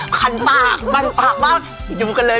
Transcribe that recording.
คันปากบันปากบ้าง